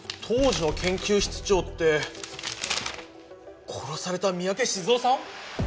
当時の研究室長って殺された三宅鎮男さん！？